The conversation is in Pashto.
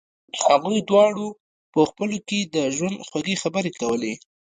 هغوی دواړو په خپلو کې د ژوند خوږې خبرې کولې